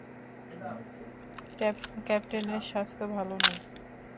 ক্যাপ্টেনের স্বাস্থ্য ভাল নেই।